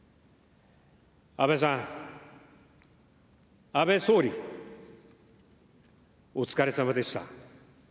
安倍さん、安倍総理、お疲れさまでした。